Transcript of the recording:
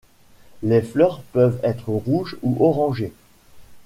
Les fleurs peuvent être rouges ou orangées.